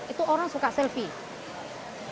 itu orang suka selfie